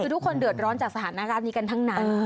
คือทุกคนเดือดร้อนจากสถานการณ์นี้กันทั้งนั้น